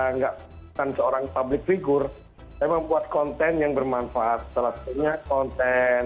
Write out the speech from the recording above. enggak kan seorang public figure memang buat konten yang bermanfaat setelah punya konten